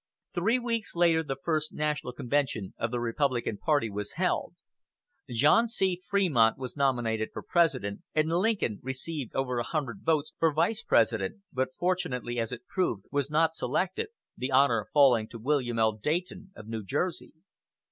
Three weeks later the first national convention of the Republican party was held. John C. Fremont was nominated for President, and Lincoln received over a hundred votes for Vice President, but fortunately, as it proved, was not selected, the honor falling to William L. Dayton of New Jersey.